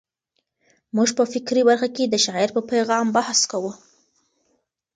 موږ په فکري برخه کې د شاعر په پیغام بحث کوو.